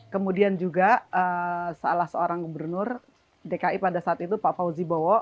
kemudian juga salah seorang gubernur dki pada saat itu pak fauzi bowo